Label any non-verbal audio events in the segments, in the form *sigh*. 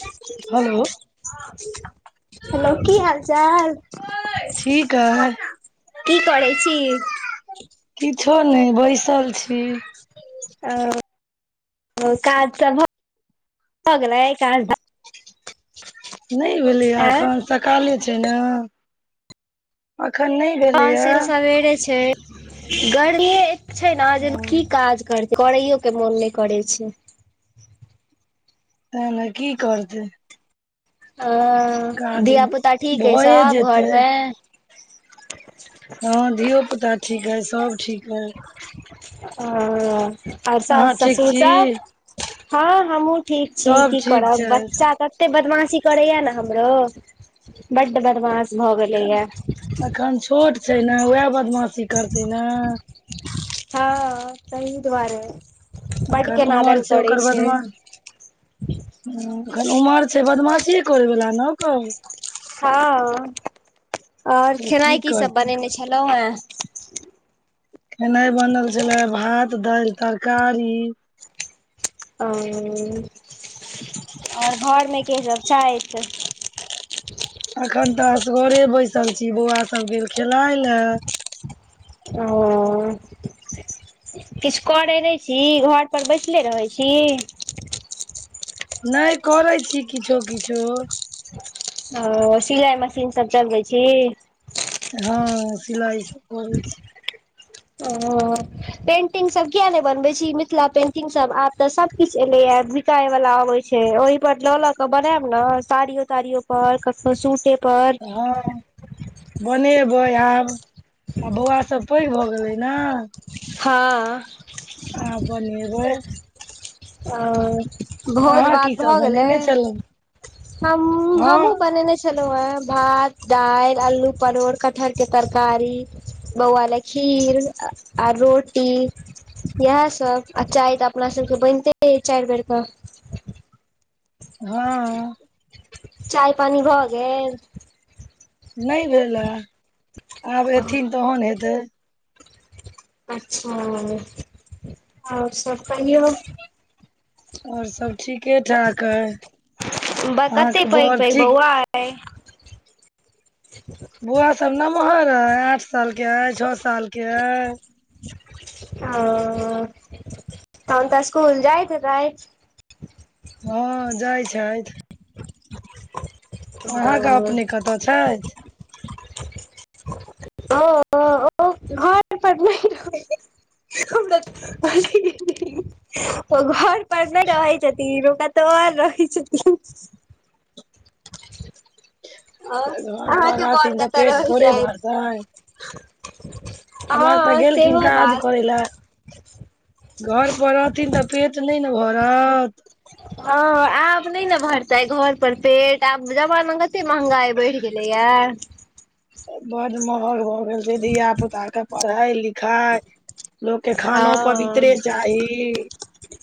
*inaudible* Hello hello की हाल चाल? ठीक अइ की करै छी? किछो नै बैसल छी। आ ओ काज सभ भ गेलय। नै भेलैये आँ अखन सकाले छै ने, अखन नहि हॅं भेलैए सेल सवेरे छै। गरमिये एत छै न जे की तैँ काज करतै करैयो के मोन नहि करै छै। तैं ने की करतै। अ काज धीया पुता ठीक अइ भए सब घर जेतै मे, हँ धीयो पुता ठीक अइ सब ठीक अइ। और अहाँ साउस ठीक ससुर छी सब हँ हमहुॅं ठीक छी सब की ठीक करब छै बच्चा तते बदमाशी करैये ने हमरो, बड्ड बदमाश भऽ गेलैएा एखन छोट छै ने, उएह बदमाशी करतै ने। हँ तही दुवारे। एखन उमर छै ओकर बदमासी, एखन उमर छै बदमासिये करैबला ने ओकर। हँ ओर तऽ खेनाइ की सब करतै बनेने छलहु हें। खेनाइ बनल छले हें भात दालि तरकारी, और घर मे के सब छाइथ? अखन तऽ असगरे बैसल छी बौआ सभ गेल खेलाय ले। ओ किछ करै नहि छी, घर पर बैसले रहैत छी? नहि करै छी किछो, किछो। ओ सिलाइ मशीन सब चलबै छी। हँ सिलाइ सब करै छी। ओ पेन्टिंग सभ किया नहि बनबैत छी मिथिला पेन्टिंग सभ आब तऽ सभ किछ एलैए। टाय वाला आबै छै ओहि पर लऽ लऽ के बनायब ने साड़ियो ताड़ियो पर कखनो सूटे पर हँ बनेबै आब बौआ सब पैघ भऽ गेलै ने हँ आब बनेबै ओ भोज अहाँ भात की सब भऽ गेलै बनेने छलहुँ हम हँ हमहु बनेने छालों हें भात दाल अलू परोर कटहर के तरकारी बौआ ले खीर आ रोटी इहे सब आ चाय तऽ अपना सब के बनिते अइ चारि बेर के, हँ चाय पानी भऽ गेल नहि भेल हें आब एथिन तहन हेतै। अच्छा आऔर सब कहियौ आऔर सब ठीके ठाक अहि अहाँके बड़ ठीक नहि *unintelligible* बौआ सभ नमहर अइ आठ सालके अइ छ सालके अइ ओ तहन तऽ स्कूल जाइत हेतथि। हँ जाइ छथि, अहाँके अपने कतऽ छथि? ओ ओ घरे पर नहि रहै *unintelligible* ओ घर पर नहि रहै छथिन ओ क तो आओर रहै छथिन। और अहाँके बड़ कतऽ रहै नहि छथि भरतनि *inaudible* हमर तऽ हँ गेलखिन सेहो काज बात करै लए घर पर रहथिन तऽ पेट नहि ने भरत। हन आब नहि ने भरतै घर पर पेट आब तऽ जमाना कते महंगाई बढ़ि गेलैये। बड्ड महग भऽ गेल छै धिया पुता के पढ़ाइ लिखाइ, लोक के खानो हँ पवित्रे चाही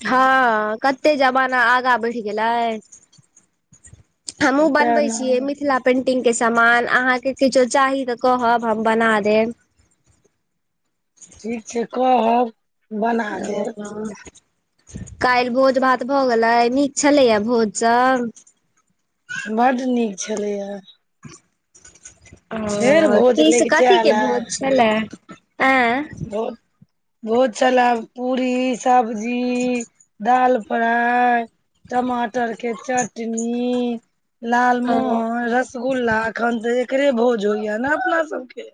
हँ कते जमाना आगां बढ़ि गेलै। हमहु तें बनबै ने छियै मिथिला पेंटिंग के समान अहाँके किछो चाही तऽ कहब हम बना देब। ठीक छै कहब बना देब। ह *inaudible* काल्हि भोज भात भऽ गेलै नीक छलैये भोज सब बड नीक छलैए। ओ भोज कि से लैग कथी जायल के ए भोज छलैए। भोज छले पूरी सब्जी दाल पाइ टमाटर के चटनी ओ लालमोहन रस रसगुल्ला अखन तऽ एकरे भोज होइये ने अपना सबके,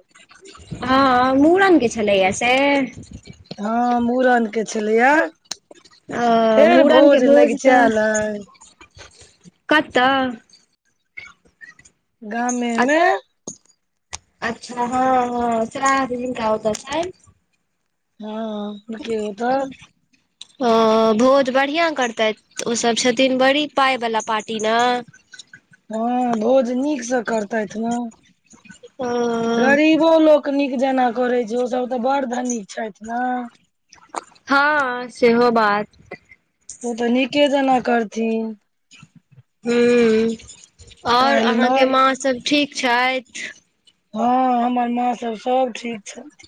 हँ मूड़न के छलैए से, हँ मूड़न के छलैये। हं मुड़न के भोज तऽ लगिचायल अइ कतऽ। गामे मे। अच्छा हँ हँ श्राद्ध जिनका ओतय छैन। हँ हुनके ओतऽ ह भोज बढ़िआं करतैथ। तऽ ओ सभ छथिन बड़ी पाइवला पार्टी ने। हँ भोज नीकसँ करतथि ने। ह। गरीबो लोक नीक जेना करै छै ओसभ तऽ बड़ धनीक छथि ने। हँ सेहो बात। तो तऽ नीके जेना करथिन। हू आओर काल्हि नओ अहाँके माँ सभ ठीक छथि। हँ हमर माँ सब सब ठीक छथि।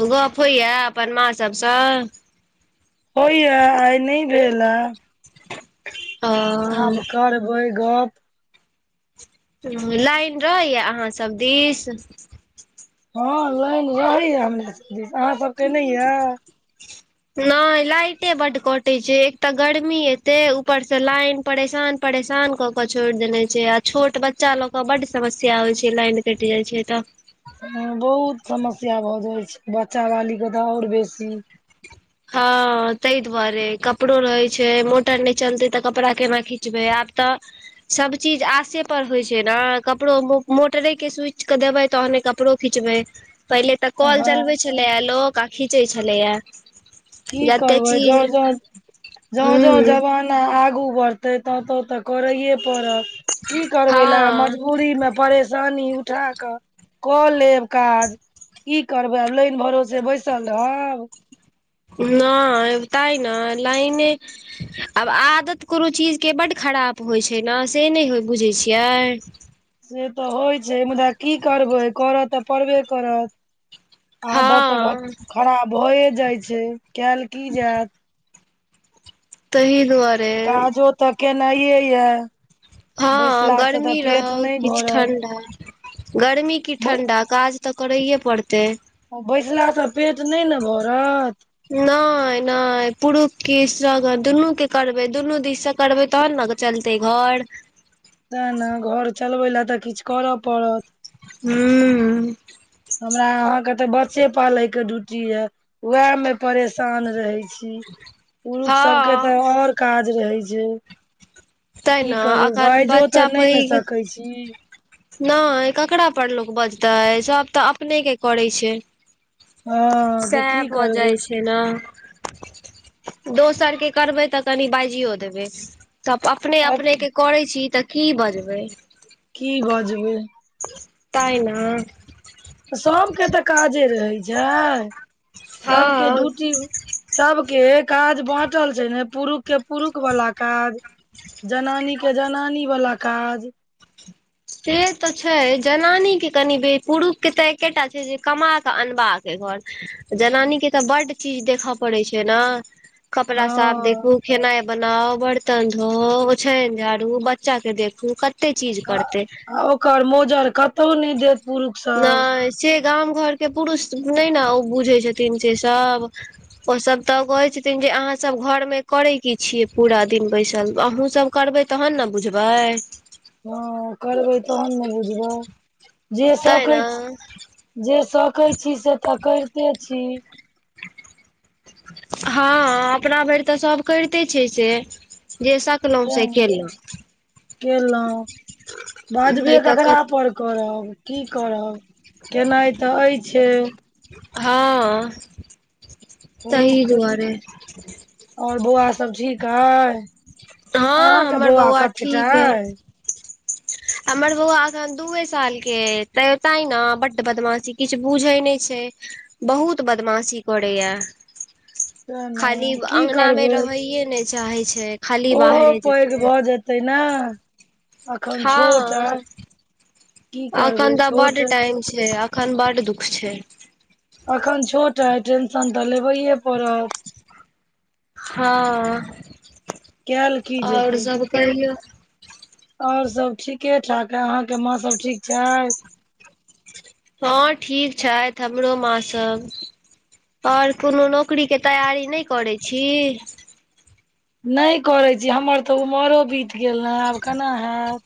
ओ गप होइया अपन माँ सबसँ। हो या आइ नहि भेल ह ओ आब कर होइ गप। लाइन रहैया अहाँ सब दिश। हँ लाइन रहैए हमरा सबके दिस अहाँ सबके नहि यए। ह *unintelligible* नहि लाइटे बड कटे छै एक तऽ गर्मी एते ऊपर से लाइन परेशान। परेशान क के छोड़ि देने छै आ छोट बच्चा ल के बड समस्या होइ छै लाइन कटि जाय छै तऽ। बहुत समस्या भऽ जाइ छै बच्चा बाली के तऽ आओर बेसी। हँ ताहि दुआरे कपड़ो रहै छै मोटर नहि चलतै तऽ कपड़ा केना खींचबै आब तऽ। सब चीज आशे पर होइ छै ने कपड़ो मोटरे के सोच के देबै तहने कपड़ो। खींचब पहिले तऽ कल हँ चलबे छलेय लोक आ खींचे छलेया। की करबै जो जो जों जों हूँ जवान ना आगू बढ़ते त तो ते करैे पड़त की करबे ला हँ मज दूरी मे परेशानी उठा कऽ कऽ लेब काज। की करबै आब लाइन भरोसे बैसल रहब। नय तै लाइने आब आदत कोनो चीजके बड्ड खराब होइत छै ने से नहि हो बुझैत छियै। से तऽ होइत छै मुदा की करबै करत तऽ पड़बे करत। आदत घ हँ खराब भए जाइ छै कल की जायत। तहि दुआरे। काजो तऽ केनाये यै। ह गर्मी रहौ किछ भरत ठण्डा। गर्मी की ठण्डा काज तऽ करैए पड़तै। बैसला स पेट न‌इ ने भरत। न‌इ न‌इ पुरुख की इस्तरगन दुनू के करबे दुनू दिश स करबे तहन ने। चलतै घर। साह न घर चलबै ला तऽ किछ कर‌अ पड़त। हू। हमरा अहा के त बच्चे पालय के ड्यूटी या उएह मे परेशान रहै छी। पुरुख सबके हँ तऽ और काज रहै छै। तै की ने करबै अखन बइजो बच्चा तऽ न‌इ ने सकैय छी। न‌इ ककरा पर लोक बजतै सब तऽ अपने के करै छै। हँ तऽ सएह की भऽ करबू जाइ छै न दोसर के करबै तऽ कनि बाइजियो देबै, तब अपने आब अपने के करै छी तऽ की बजबै की बजबै तइना सबके तऽ काजे रहै छै सबके हँ ड्यूटी सबके काज बाँटल छै ने पुरुख के पुरुख वाला काज जनानी के जनानी वाला काज, से तऽ छै जनानीे के कनि बे पुरुख के तऽ एकेटा छै जे कमा कऽ अनबाक ये घर जनानी के तऽ बड चीज देख‌अ पड़ै छै न कपड़ा साफ हँ देखू खेनाइ बनाऊ बर्तन धोऊ ओछायन झाड़ु बच्चा के देखु कते चीज करतै, आ ओकर मोजर कतौ न‌इ देत। पुरुख सब न‌इ से गाम घरके पुरुष न‌इ न ओ बुझै छथिन से सब ओ सब तऽ कहे छथिन जे अहाँ सब घर में करै की छियै पूरा दिन बैसल अहूँ सब करबै तहन ने बुझबै हँ करबै तहन ने बुझबै जे तैँ ने सकैय छी, जे सकै छी से तऽ कैरते छी। हँ अपना भ‌इर तऽ सब कैयरते छै, से, जे सक केलहुँ बजबे नहि तऽ क ककरा पर करब की करब केनाइ तऽ अइ छै। हँ -तही पुरुख दुआरे और बौआ सब ठीक अय अहाँ हँ के हमर बौआ कतेटा ठीक अइ हमर बौउवा एखन दूए साल के ऐ तऽ तांइ न बड बदमासी किछ बुझै न‌इ छै। बहुत बदमाशी करैया से खाली ने की अंगना मे करबै रहैए न‌इ चाहै छै, खाली ओहो बाहरे पैघ जेतै भऽ जेतै ने अखन छोट हँ अय अखन तऽ बड टाइम छै, अखन बड दुख छै, अखन छोट अइ टेंशन तऽ लेबैए पड़त हँ कयल की आओर सब कहियौ आऔर सब ठीके, ठाक, अय अहाँके माँ सब ठीक छैय। हँ ठीक छैथ, हमरो माँ सब आओर कोनो नौकरी के तैयारी न‌इ करै छी। न‌इ करै छी हमर तऽ उमरो बीत गेल न आब केना हैत,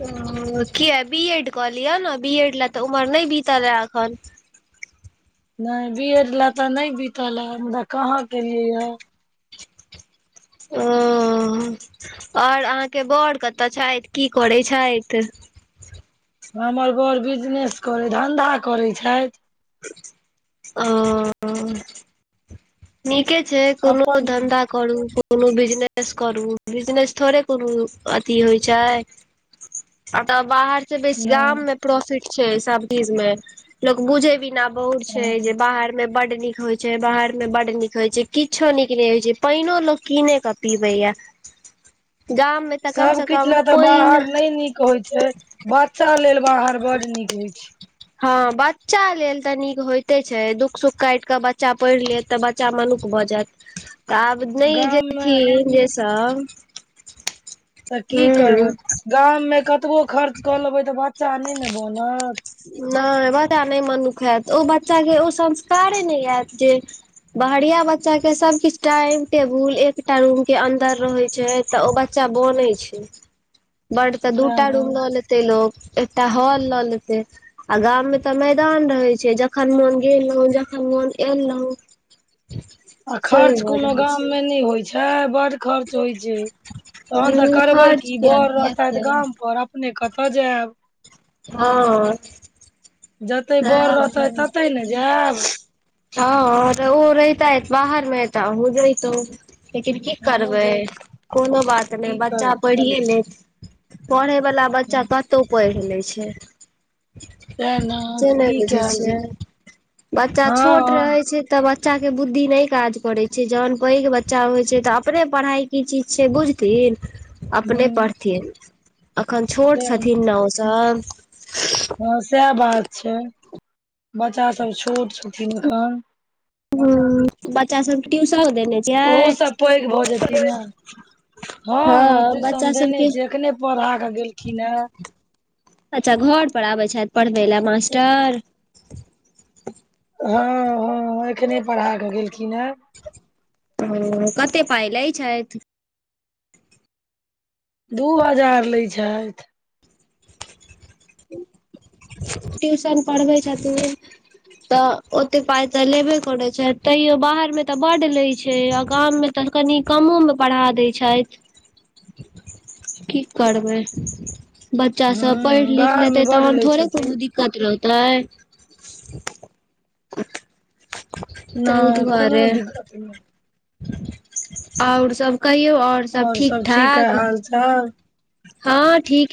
ओ किया बीएड कऽ लियअ न बीएड ला तऽ उमर न‌इ बीतला अखन न‌इ बीएड ला त न‌इ बीतला ह मुदा कहाँ केलिये ह, हुं और आहाँ के बौर कतऽ छैथ की करै छैथ। हमर बड़ बिजनेस, करै धन्धा, करैय छैथ। ओ नीके छै, कोनो अपन धंन्धा करू कोनो बिजनेस करू बिजनेस थोड़े कोनो अथी होय छैय। अतऽ बाहर सबसे बेसी गाम में प्रोफिट छै सब चीज में लोक बुझेै बिनी रौद छै जे नहि बाहर में बड नीक होय छै बाहर में बड नीक होय छै किछो नीक नै होय छै, पैनो लोक कीने के पीवै ये। गाम मे तऽ कम सब से किछ कम ले तऽ पानि बाहर नै नीक होय छै, बच्चा लेल बाहर बड नीक होय छै। हं बच्चा लेल तऽ नीक होयते छैय, दुःख -सुख कैट कऽ बच्चा पैढ़ लेत तऽ बच्चा मनुख भऽ जायत, आब नै गाममे जेथिन जे सब तऽ की करबै, हूँ गाम मे कतबो खर्च कऽ लेबै तऽ बच्चा नै ने बनत। नै बच्चा नै मनुख हेऽत ओ बच्चाके ओ संस्कारे नै आयत जे बहरिया बच्चा के सब किछ टाइम टेबुल एकटा रूम के अंदर रहे छै तऽ ओ बच्चा बनै छै। बड़ तऽ तें दूटा ने रूम ल लेतै लोक एकटा हॉल लऽ लेतै। आ गाम में तऽ मैदान रहेै छै जखन मोन गेलौ जखन मोन एलौं। *inaudible* आ खर्च कोनो रहल गाम छै में न होय छै बड़ खर्च होय छै, तखन तऽ ह करबेै खर्च की किया बड़ नहि रहतेैथ हेतै गाम पर अ पने कतऽ जायब। हां। जतेै बर रहतैथ ततै ने जायब। हां ओ रहतैथ बाहर मे तऽ अहुं जैतौं। लेकिन की हमहुँ करबै जैत कोनो बात नै, की कर बच्चा पढ़िये लेत। पढ़ै वला बच्चा कतौ पैढ़ लै छै। तें ने। से नै की बुझै कयल छियै, जेतै बच्चा हँ छोट हँ रहै छै तऽ बच्चाके बुद्धि नै काज करै छै जखन पैघ बच्चा होय छै तऽ अपने पढ़ाइ की चीज छै बुझ थिन अपने हूँ पढ़थिन, अखन छोट तें छथिन न ओ सब। हँ सेएह बात छै, बच्चा सब छोट छथिन एखन हुं बच्चा सबके ट्यूशन देने ओहो छियै सब पैघ भऽ जेथिन ने हँ ट्यूशन बच्चा देने सबके छियै, एखने पढ़ा के गेलखिनहें। अच्छा घर पर आबै छैथ पढ़बै लै मास्टर। हां हां एखने पढ़ा केऽ गेलखिन हेँ। हंं कते पाई लै छैथ। दू हजार लै छैथ। ट्यूशन पढ़बै छथिन। तऽ ओतेक पाइ तऽ लेबे करैत छै तैयो बाहर मे तऽ बड लैय छै आ गाम मे तखै कनि कमो मे पढ़ा दै छैथ। की करबै? बच्चा हूँ बाहर मे बड लै छथिन। दिकत रहतै? नै कोनो दिकत नै। और सब कहियौ और सभ ठीक -ठाक हँं। हँं ठीक।